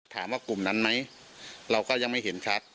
ถามว่ากลุ่มนั้นไหมเราก็ยังไม่เห็นชัด